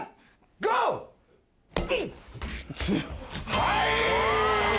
はい！